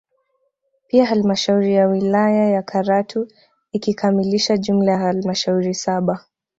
Pia halmashauri ya wilaya ya Karatu ikikamilisha jumla ya halmashauri saba